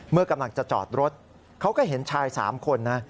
เมื่อกำลังจะจอดรถเขาก็เห็นชาย๓คนนะ